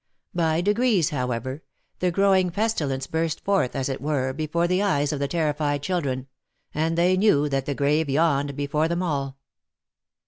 By degrees, however, the growing pestilence burst forth, as it were, before the eyes of the terrified children, and they knew that the grave yawned before them all.